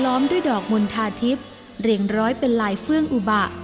ด้วยดอกมณฑาทิพย์เรียงร้อยเป็นลายเฟื่องอุบะ